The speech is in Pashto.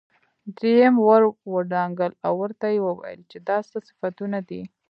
دريم ور ودانګل او ورته يې وويل چې دا څه صفتونه دي.